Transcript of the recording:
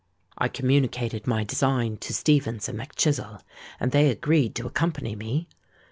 I communicated my design to Stephens and Mac Chizzle; and they agreed to accompany me.